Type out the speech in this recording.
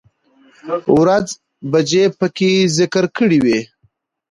،ورځ، بجې په کې ذکر کړى دي